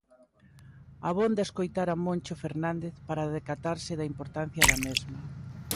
Abonda escoitar a Moncho Fernández para decatarse da importancia da mesma.